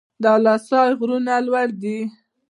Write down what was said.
اله سای غرونه لوړ دي؟